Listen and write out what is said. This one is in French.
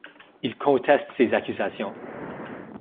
Il conteste ces accusations.